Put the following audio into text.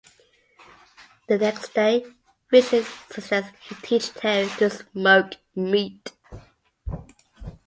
The next day, Vincent suggests he teach Terry to smoke meat.